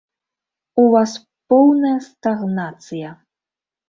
У вас поўная стагнацыя!